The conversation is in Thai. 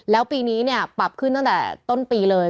แล้วปีนี้เนี่ยปรับขึ้นตั้งแต่ต้นปีเลย